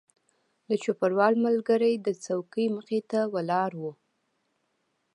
د چوپړوال ملګری د څوکۍ مخې ته ولاړ و.